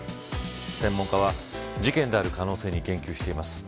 専門家は、事件である可能性に言及しています。